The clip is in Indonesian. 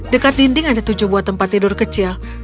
dekat dinding ada tujuh buah tempat tidur kecil